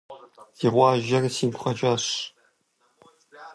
Ди къуажэр сигу къэкӀащ.